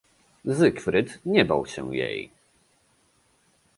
"Zygfryd nie bał się jej."